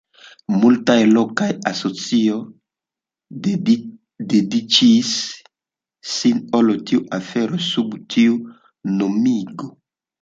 Multaj lokaj asocioj dediĉis sin al tiu afero sub tiu nomigo.